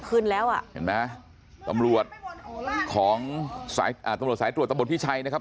คืนแล้วอ่ะเห็นไหมตำรวจของสายอ่าตำรวจสายตรวจตะบดพิชัยนะครับ